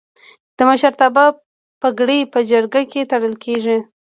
د مشرتابه پګړۍ په جرګه کې تړل کیږي.